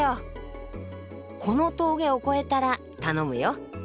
この峠を越えたら頼むよ。